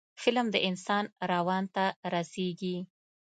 فلم د انسان روان ته رسیږي